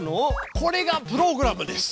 これがプログラムです！